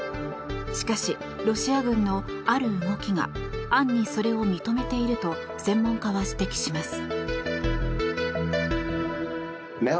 しかし、ロシア軍のある動きが暗にそれを認めていると専門家は指摘します。